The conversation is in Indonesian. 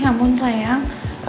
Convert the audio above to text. ya ampun sayang